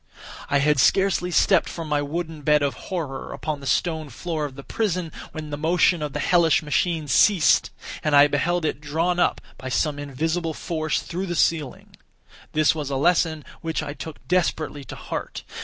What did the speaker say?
I had scarcely stepped from my wooden bed of horror upon the stone floor of the prison, when the motion of the hellish machine ceased and I beheld it drawn up, by some invisible force, through the ceiling. This was a lesson which I took desperately to heart.